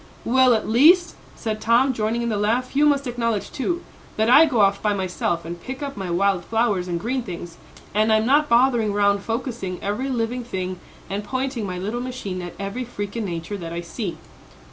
"Well, at least," said Tom, joining in the laugh, "you must acknowledge, too, that I go off by myself and pick up my wild flowers and green things, and I'm not bothering round focussing every living thing and pointing my little machine at every freak in nature that I see."